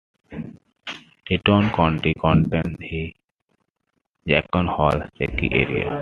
Teton County contains the Jackson Hole ski area.